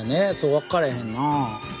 分からへんな。